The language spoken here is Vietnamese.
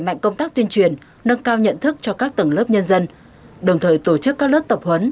mạnh công tác tuyên truyền nâng cao nhận thức cho các tầng lớp nhân dân đồng thời tổ chức các lớp tập huấn